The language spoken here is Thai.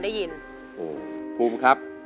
ถ้าพร้อมอินโทรเพลงที่สี่มาเลยครับ